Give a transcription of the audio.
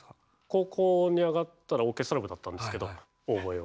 高校に上がったらオーケストラ部だったんですけどオーボエを。